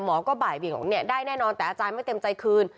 บ่ายเบียงบอกเนี่ยได้แน่นอนแต่อาจารย์ไม่เต็มใจคืน